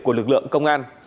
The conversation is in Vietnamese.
của lực lượng công an